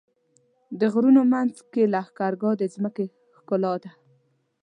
د غرونو منځ کې لښکرګاه د ځمکې ښکلا ده.